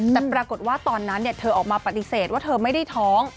แต่ปรากฏว่าตอนนั้นเธอออกมาปฏิเสธว่าเธอไม่ได้ท้อง